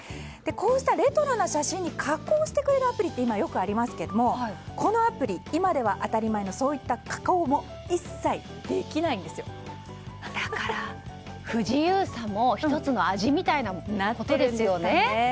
こうしたレトロな写真に加工してくれるアプリってよくありますけれどもこのアプリ、今では当たり前のそういった加工もだから不自由さも１つの味みたいなことですよね。